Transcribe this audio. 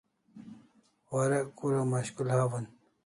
Warek kura mashkul hawan